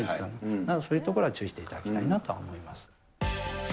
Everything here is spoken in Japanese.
そういうところは注意していただきたいなと思います。